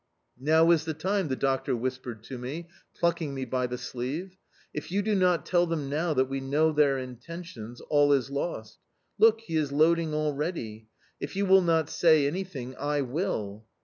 "Now is the time!" the doctor whispered to me, plucking me by the sleeve. "If you do not tell them now that we know their intentions, all is lost. Look, he is loading already... If you will not say anything, I will"...